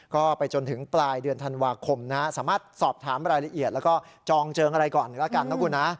ก็ไปจนถึงปลายเดือนธันวาคมนะฮะสามารถสอบถามรายละเอียดแล้วก็จองเจิงอะไรก่อนแล้วกันนะคุณนะ